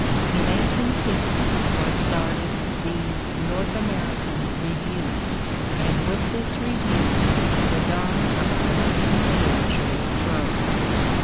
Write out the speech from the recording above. In 18 15 was started the North American Review, and with this review the dawn of American literature broke.